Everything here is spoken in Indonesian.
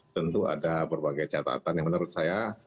tentu ada berbagai catatan yang menurut saya